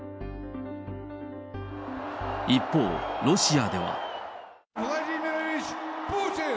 一方、ロシアでは。